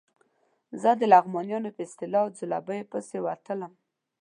زه د لغمانیانو په اصطلاح ځلوبیو پسې وتلم.